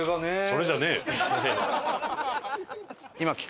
それじゃねえよ！